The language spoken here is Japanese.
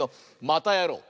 またやろう！